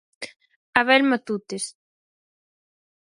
Abel Matutes.